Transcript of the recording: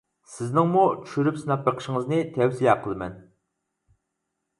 سىزنىڭمۇ چۈشۈرۈپ سىناپ بېقىشىڭىزنى تەۋسىيە قىلىمەن!